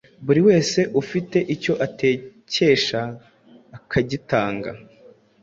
Buri wese ufite icyô atekesha akagitanga.